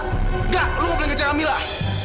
tidak kamu tidak boleh mengejar kamilah